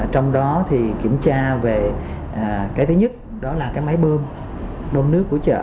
trong đó thì kiểm tra về cái thứ nhất đó là cái máy bơm nước của chợ